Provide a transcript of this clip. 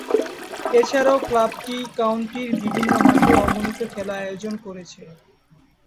এছাড়াও, ক্লাবটি কাউন্টির বিভিন্ন মাঠে অগণিত খেলা আয়োজন করেছে।